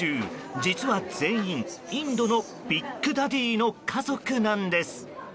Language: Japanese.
実は、全員インドのビッグダディの家族なんです。